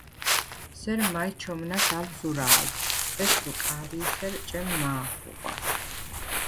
სერ მაჲ ჩომნას ალ ზურა̄ლდ: ეშხუ კა̄რისერ ჭემ მა̄ ხუღვა.